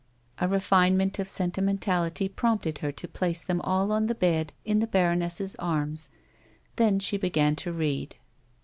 A refinement of sentimentality prompted her to place them all on the bed in the baroness's arms ; then she began to read.